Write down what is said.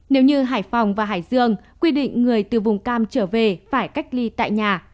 nếu như hải phòng và hải dương quy định người từ vùng cam trở về phải cách ly tại nhà